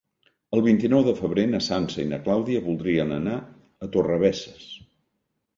El vint-i-nou de febrer na Sança i na Clàudia voldrien anar a Torrebesses.